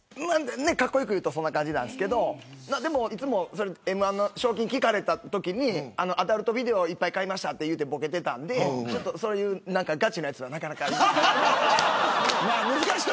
かっこよく言えばそんな感じなんですけどいつもＭ−１の賞金聞かれたときにアダルトビデオをいっぱい買いましたと言ってボケていたのでがちなやつはなかなか言えない。